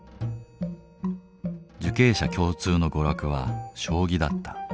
受刑者共通の娯楽は将棋だった。